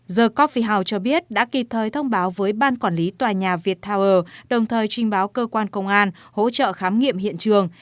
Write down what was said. the cophi house cho biết đã kịp thời thông báo với ban quản lý tòa nhà viettower đồng thời trình báo cơ quan công an hỗ trợ khám nghiệm hiện trường